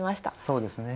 そうですね。